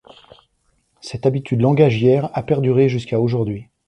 Cette habitude langagière a perduré jusqu’à aujourd’hui.